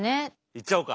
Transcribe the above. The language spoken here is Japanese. いっちゃおうか。